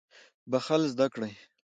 بخښل زده کړئ